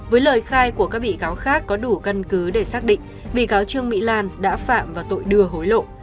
với lời khai của các bị cáo khác có đủ căn cứ để xác định bị cáo trương mỹ lan đã phạm vào tội đưa hối lộ